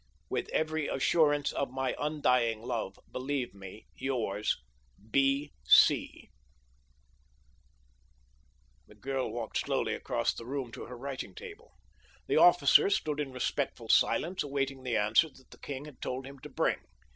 With every assurance of my undying love, believe me, Yours, B. C. The girl walked slowly across the room to her writing table. The officer stood in respectful silence awaiting the answer that the king had told him to bring.